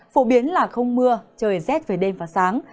phổ biến là không mưa trời rét về đêm và sáng